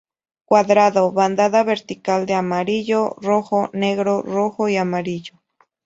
Cuadrado, bandada vertical de amarillo, rojo, negro, rojo y amarillo.